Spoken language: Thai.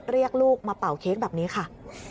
เรียกลูกมาเป่าเค้กแบบนี้ค่ะ